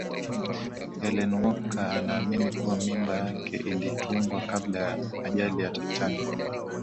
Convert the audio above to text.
ellen walker anaamini kuwa mimba yake ilitungwa kabla ya ajali ya titanic